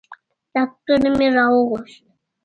ډاکتر مې راوغوښت.